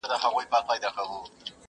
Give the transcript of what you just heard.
مندوشاه چي هم هوښیار هم پهلوان وو!!